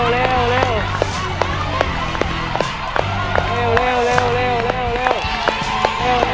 เร็วเร็วเร็วเร็ว